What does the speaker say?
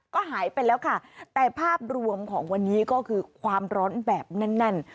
ก็หายไปแล้วค่ะแต่ภาพรวมของวันนี้ก็คือความร้อนแบบแน่น